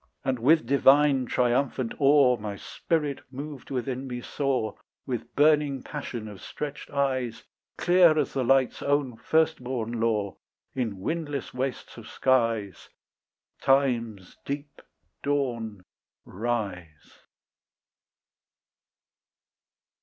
And with divine triumphant awe My spirit moved within me saw, With burning passion of stretched eyes, Clear as the light's own firstborn law, In windless wastes of skies Time's deep dawn rise.